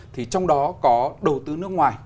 thì trong đó có đầu tư nước ngoài